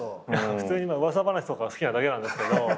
普通に噂話とか好きなだけなんですけど。